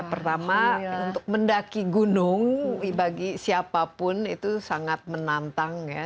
pertama untuk mendaki gunung bagi siapapun itu sangat menantang ya